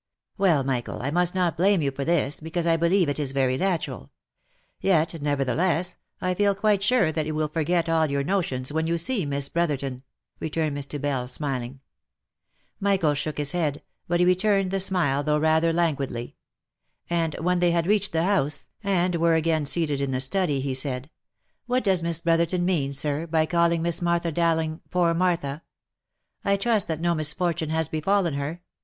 "Well, Michael, I must not blame you for this, because I believe it is very natural ; yet, nevertheless, I feel quite sure that you will forget all such notions when you see Miss Brotherton," returned Mr. Bell, smiling. Michael shook his head, but he returned the smile, though rather languidly ; and when they had reached the house, 332 THE LIFE AND ADVENTURES and were again seated in the study, he said, " What does Miss Brotherton mean, sir, by calling Miss Martha Dowling ' poor Martha?' I trust that no misfortune has befallen her?